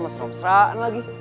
masa rapseraan lagi